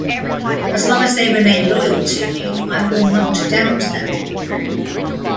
As long as they remain loyal to me, I will not doubt them.